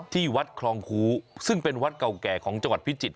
ที่วัดคลองคูซึ่งเป็นวัดเก่าแก่ของจังหวัดพิจิตร